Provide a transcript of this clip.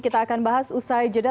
kita akan bahas usai jeda